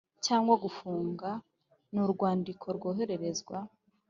cyangwa gufunga Ni urwandiko rwohererezwa